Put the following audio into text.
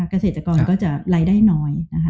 เกษตรกรก็จะไล่ได้น้อย